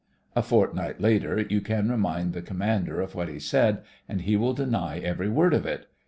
A fortnight later you can remind the commander of what he said, and he will deny every word of it.